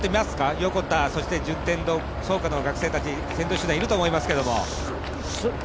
横田、そして順天堂、創価の学生たち、先頭集団いると思いますけど。